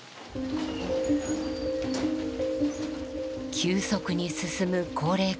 急速に進む高齢化。